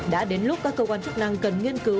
đã đến lúc các cơ quan chức năng cần nghiên cứu